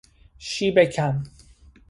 شیب کم